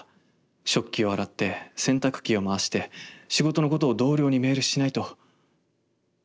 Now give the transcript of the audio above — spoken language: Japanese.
食器を洗って洗濯機を回して仕事のことを同僚にメールしないと。